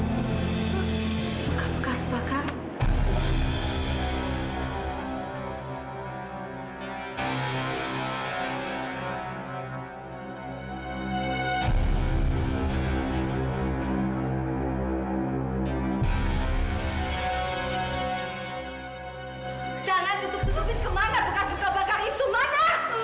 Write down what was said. jangan tutup tutupin kemana bekas luka bakar itu mana